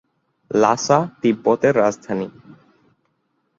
লাসা তিব্বত এর রাজধানী।